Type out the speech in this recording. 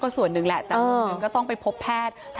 ก็แผลเริ่มแห้งไม่มีอิตแล้ว